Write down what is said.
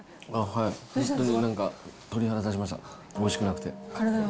本当に、はい、なんか鳥肌立ちました、おいしくなくて。